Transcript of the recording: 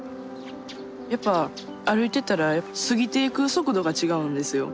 やっぱ歩いてたら過ぎていく速度が違うんですよ。